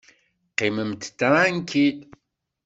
Qqimemt ṭṛankil!